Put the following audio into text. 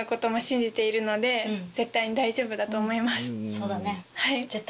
そうだね。